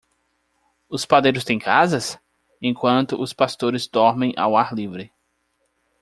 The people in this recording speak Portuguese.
Os padeiros têm casas? enquanto os pastores dormem ao ar livre.